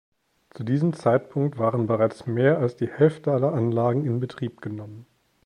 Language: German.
Zu diesem Zeitpunkt waren bereits mehr als die Hälfte alle Anlagen in Betrieb genommen.